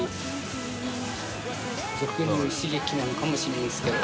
國士さん）なのかもしれないですけど。